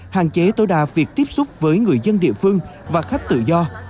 hạn chế tối đa việc tiếp xúc với người dân địa phương và khách tự do